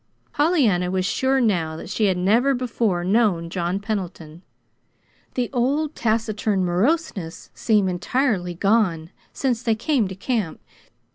Pollyanna was sure now that she had never before known John Pendleton. The old taciturn moroseness seemed entirely gone since they came to camp.